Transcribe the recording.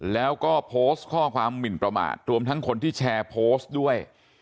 แล้วก็โพสต์ข้อความหมินประมาทรวมทั้งคนที่แชร์โพสต์ด้วย